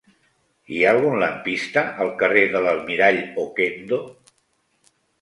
Hi ha algun lampista al carrer de l'Almirall Okendo?